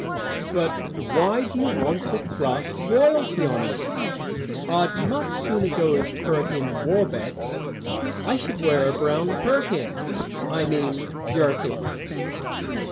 "But why do you want to thrust royalty on me? I'd much sooner go as Perkin Warbeck. I should wear a brown perkin I mean jerkin."